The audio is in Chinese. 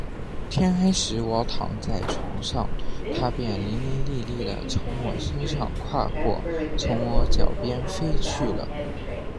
天黑时，我躺在床上，他便伶伶俐俐地从我身上跨过，从我脚边飞去了。